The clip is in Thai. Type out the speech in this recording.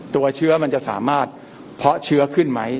ตัวเชื้อมันจะสามารถเพาะเชื้อขึ้นไหม